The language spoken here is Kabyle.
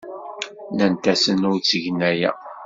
Nnant-asen ur ttgen aya.